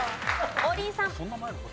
王林さん。